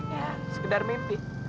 ya sekedar mimpi